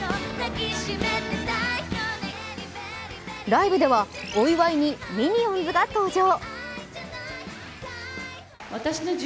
ライブでは、お祝いにミニオンズが登場。